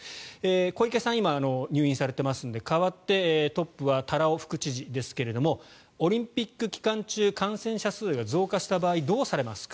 小池さん、今入院されていますので代わってトップは多羅尾副知事ですがオリンピック期間中感染者数が増加した場合どうされますか？